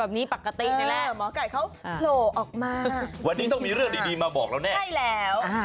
วันนี้ต้องมีเรื่องดีมอบอกแล้วแน่